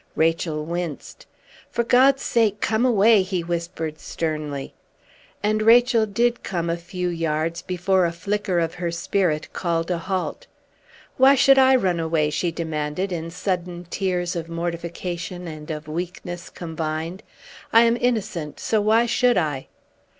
Rachel winced. "For God's sake, come away!" he whispered, sternly. And Rachel did come a few yards before a flicker of her spirit called a halt. "Why should I run away?" she demanded, in sudden tears of mortification and of weakness combined. "I am innocent so why should I?"